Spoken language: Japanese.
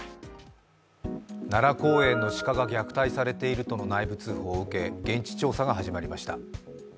奈良公園が鹿が虐待しているとの内部通報を受け、現地調査が始まりました。